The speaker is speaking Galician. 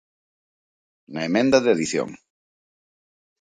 Na emenda de adición.